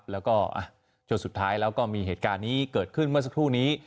แล้วก็จนสุดท้ายแล้วก็มีเหตุการณ์นี้เกิดขึ้นเมื่อสักครู่นี้